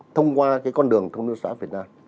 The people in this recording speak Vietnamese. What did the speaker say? thông qua cái con đường thông minh xã việt nam